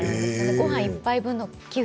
ごはん１杯分の寄付。